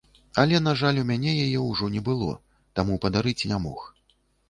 Але, на жаль, у мяне яе ўжо не было, таму падарыць не мог.